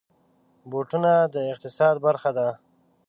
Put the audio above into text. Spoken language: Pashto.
بوټونه د اقتصاد برخه ده.